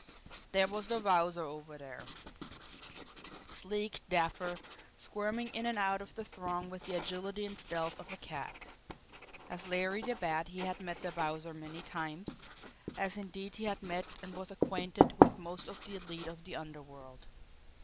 There was the Wowzer over there sleek, dapper, squirming in and out of the throng with the agility and stealth of a cat. As Larry the Bat he had met the Wowzer many times, as indeed he had met and was acquainted with most of the elite of the underworld.